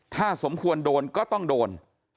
ถ้าสมควรโดนก็ต้องโดน